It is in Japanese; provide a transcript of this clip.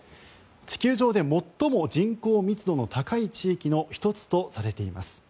地球上で最も人口密度の高い地域の１つとされています。